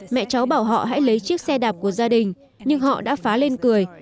mẹ cháu bảo họ hãy lấy chiếc xe đạp của gia đình nhưng họ đã phá lên cười